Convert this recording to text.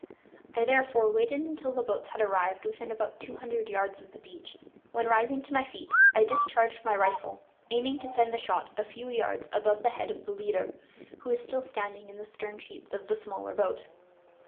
I therefore waited until the boats had arrived within about two hundred yards of the beach, when, rising to my feet, I discharged my rifle, aiming to send the shot a few yards above the head of the leader, who was still standing in the stern sheets of the smaller boat.